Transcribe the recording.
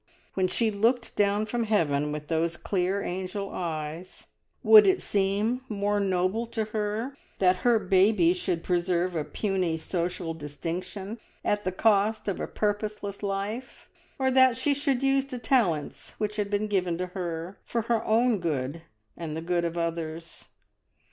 When she looked down from heaven with those clear angel eyes, would it seem more noble to her that her baby should preserve a puny social distinction at the cost of a purposeless life, or that she should use the talents which had been given to her for her own good and the good of others?